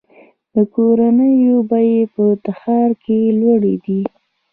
د کورونو بیې په تهران کې لوړې دي.